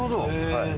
はい。